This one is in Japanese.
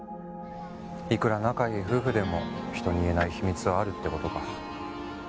いくら仲いい夫婦でも人に言えない秘密はあるって事か。